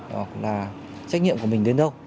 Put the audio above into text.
hoặc là trách nhiệm của mình đến đâu